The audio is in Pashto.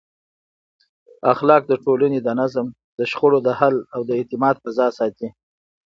اخلاق د ټولنې د نظم، د شخړو د حل او د اعتماد فضا ساتي.